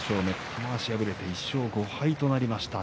玉鷲、敗れて１勝５敗となりました。